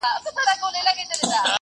په بانک کي پیسې خوندي وي.